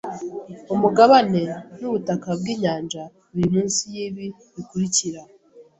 umugabane nubutaka bwinyanja biri munsi yibi bikurikira